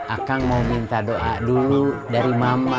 akang mau minta doa dulu dari mama